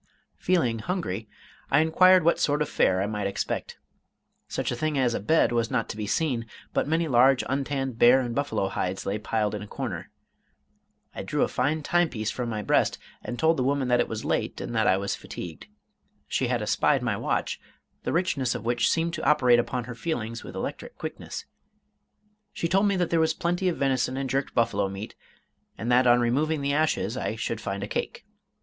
Feeling hungry, I inquired what sort of fare I might expect. Such a thing as a bed was not to be seen, but many large untanned bear and buffalo hides lay piled in a corner. I drew a fine timepiece from my breast, and told the woman that it was late, and that I was fatigued. She had espied my watch, the richness of which seemed to operate upon her feelings with electric quickness. She told me that there was plenty of venison and jerked buffalo meat, and that on removing the ashes I should find a cake.